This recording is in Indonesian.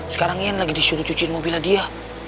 sekarang ian lagi disuruh cuciin mobilnya dia